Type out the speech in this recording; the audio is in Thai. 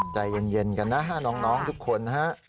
ใจเย็นกันนะน้องทุกคน